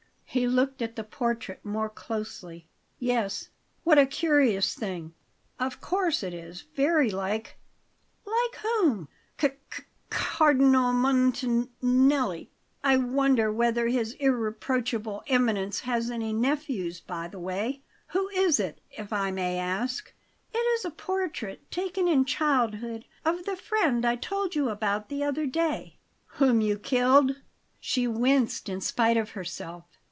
He looked at the portrait more closely. "Yes. What a curious thing! Of course it is; very like." "Like whom?" "C c cardinal Montan nelli. I wonder whether his irreproachable Eminence has any nephews, by the way? Who is it, if I may ask?" "It is a portrait, taken in childhood, of the friend I told you about the other day " "Whom you killed?" She winced in spite of herself.